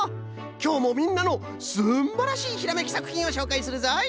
きょうもみんなのすんばらしいひらめきさくひんをしょうかいするぞい。